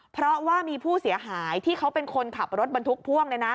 เพราะว่ามีผู้เสียหายที่เขาเป็นคนขับรถบรรทุกพ่วง